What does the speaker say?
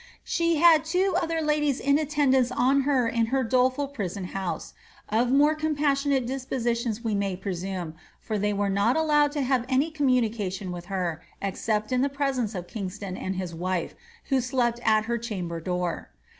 She had two other ladies in attendance on her in her doleful prison house, of more compassionate dispositions we may presume, for they were not allowed to have any communication with her, except in the presence of Kingston' and his wife, who slept at her chamber door.